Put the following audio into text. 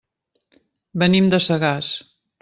Venim de Sagàs.